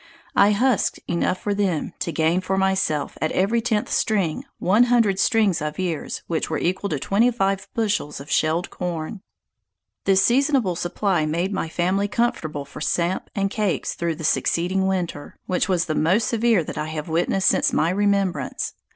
I husked enough for them, to gain for myself, at every tenth string, one hundred strings of ears, which were equal to twenty five bushels of shelled corn. This seasonable supply made my family comfortable for samp and cakes through the succeeding winter, which was the most severe that I have witnessed since my remembrance.